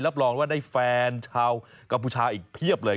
รองว่าได้แฟนชาวกัมพูชาอีกเพียบเลย